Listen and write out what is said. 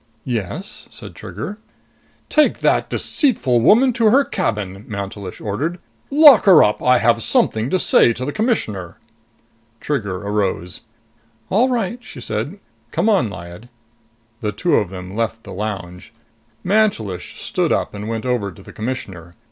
"Yes?" said Trigger. "Take that deceitful woman to her cabin," Mantelish ordered. "Lock her up. I have something to say to the Commissioner." Trigger arose. "All right," she said. "Come on, Lyad." The two of them left the lounge. Mantelish stood up and went over to the Commissioner.